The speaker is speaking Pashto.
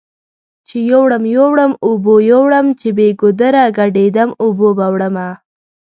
چې يوړم يوړم اوبو يوړم چې بې ګودره ګډ يدم اوبو به وړمه